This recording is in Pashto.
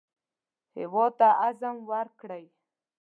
هېواد ته عزم ورکړئ